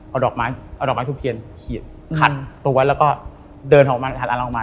เอาดอกไม้ชุมเคียนเขียนคันตัวไว้แล้วก็เดินออกมา